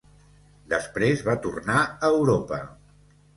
Després va tornar a Europa.